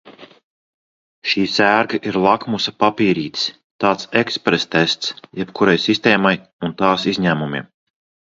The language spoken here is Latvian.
Šī sērga ir lakmusa papīrītis, tāds eksprestests jebkurai sistēmai un tās izņēmumiem.